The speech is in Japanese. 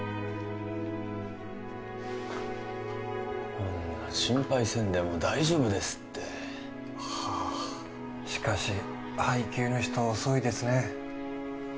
ほんな心配せんでも大丈夫ですってはあしかし配給の人遅いですね